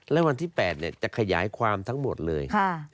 และวันที่๘จะขยายความทั้งหมดเลย